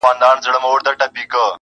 د مکار دښمن په کور کي به غوغا سي-